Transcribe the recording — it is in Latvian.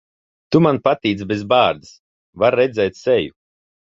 Tu man patīc bez bārdas. Var redzēt seju.